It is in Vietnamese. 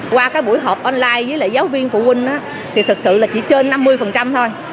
qua buổi họp online với giáo viên phụ huynh thì thật sự chỉ trên năm mươi thôi